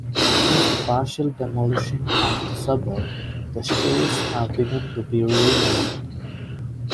Since the partial demolishing of the suburb, the streets have begun to be renamed.